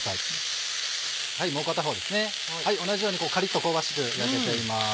同じようにカリっと香ばしく焼けています。